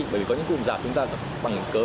bởi vì có những cụm giả chúng ta bằng cớ